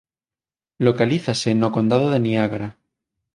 Localízase no Condado de Niágara.